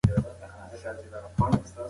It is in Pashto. همېشه د ټولنیزو نهادونو په اړه فکر کوم.